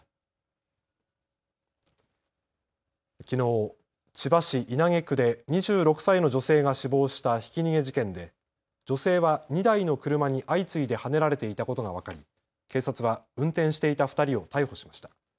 きのう、千葉市稲毛区で２６歳の女性が死亡したひき逃げ事件で女性は２台の車に相次いではねられていたことが分かり警察は運転していた２人を逮捕しました。